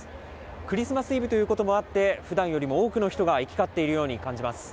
クリスマスイブということもあって、ふだんよりも多くの人が行き交っているように感じます。